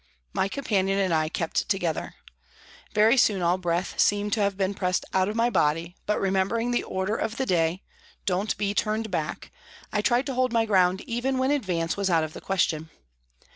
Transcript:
My companion and I kept together. Very soon all breath seemed to have been pressed out of my body, but remembering the order of the day, " Don't be turned back," I tried to hold my ground even when advance was out of the ques tion.